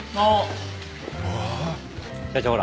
社長ほら。